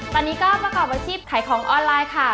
ตอนนี้ก็ประกอบอาชีพขายของออนไลน์ค่ะ